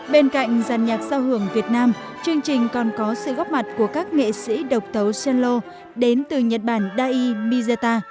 bên cạnh giàn nhạc sao hưởng việt nam chương trình còn có sự góp mặt của các nghệ sĩ độc tấu solo đến từ nhật bản dai mizeta